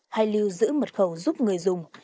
hãy lưu giữ mật khẩu giúp người dùng